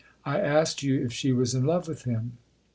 " I asked you if she was in love with him.''